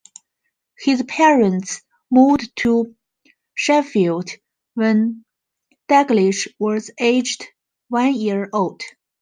His parents moved to Sheffield when Daglish was aged one year old.